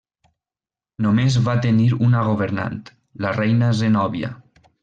Només va tenir una governant, la reina Zenòbia.